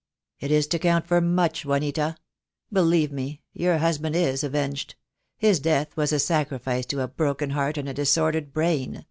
"It is to count for much, Juanita. Believe me, your husband is avenged. His death was a sacrifice to a broken heart and a disordered brain.